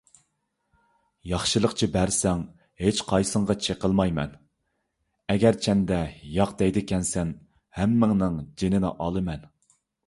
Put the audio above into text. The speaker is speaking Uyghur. ياخشىلىقچە بەرسەڭ، ھېچقايسىڭغا چېقىلمايمەن، ئەگەرچەندە ياق دەيدىكەنسەن، ھەممىڭنىڭ جېنىنى ئالىمەن.